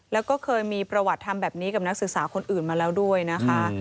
แล้วก็เคยมีประวัติทำแบบนี้กับนักศึกษาคนอื่นมาแล้วด้วยนะคะ